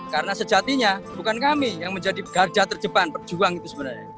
karena sejatinya bukan kami yang menjadi garja terjepang perjuang itu sebenarnya